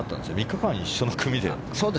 ３日間、一緒の組で。